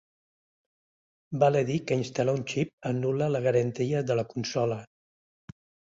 Val a dir que instal·lar un xip anul·la la garantia de la consola.